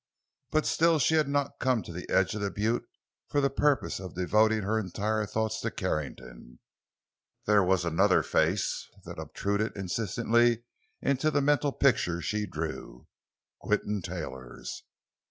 But still she had not come to the edge of the butte for the purpose of devoting her entire thoughts to Carrington; there was another face that obtruded insistently in the mental pictures she drew—Quinton Taylor's.